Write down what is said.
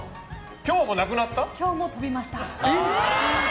今日も飛びました。